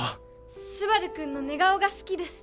スバル君の寝顔が好きです